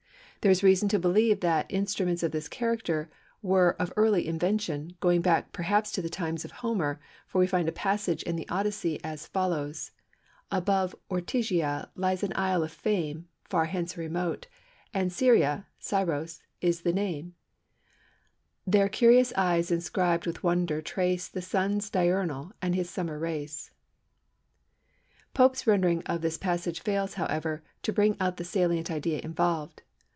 There is reason to believe that instruments of this character were of early invention, going back perhaps to the times of Homer, for we find a passage in the Odyssey, (xv. 403) as follows:— "Above Ortygia lies an isle of fame Far hence remote, and Syria [Syros] is the name; There curious eyes inscrib'd with wonder trace The Sun's diurnal and his summer race." Pope's rendering of this passage fails, however, to bring out the salient idea involved.